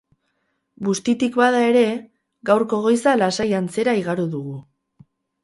Bustitik bada ere, gaurko goiza lasai antzera igaro dugu.